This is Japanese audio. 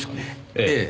ええ。